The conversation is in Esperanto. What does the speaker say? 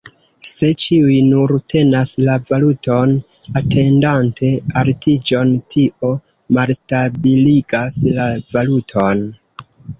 Se ĉiuj nur tenas la valuton, atendante altiĝon, tio malstabiligas la valuton.